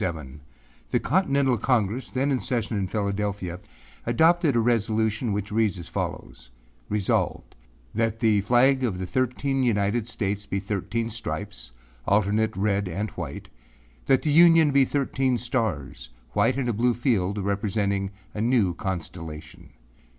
On Saturday, the fourteenth of June, 1777, the Continental Congress, then in session in Philadelphia, adopted a resolution which reads as follows: âResolved, that the flag of the thirteen United States be thirteen stripes, alternate red and white; that the Union be thirteen stars, white in a blue field, representing a new constellation.